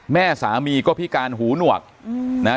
แม่สามีก็พิการหูหนวกนะฮะ